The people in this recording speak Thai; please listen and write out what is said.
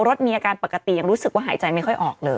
รถมีอาการปกติยังรู้สึกว่าหายใจไม่ค่อยออกเลย